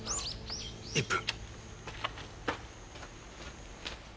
１分。